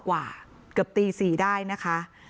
เกือบตี๔ได้นะคะ